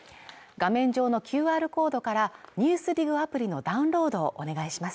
画面上のＱＲコードから「ＮＥＷＳＤＩＧ」アプリのダウンロードをお願いします